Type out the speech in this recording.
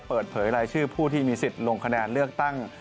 เปิดเผยรายชื่อผู้ที่มีสิทธิ์ลงคะแนนเลือกตั้ง